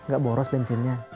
gak boros bensinnya